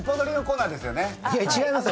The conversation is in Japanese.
違います。